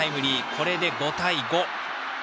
これで５対５。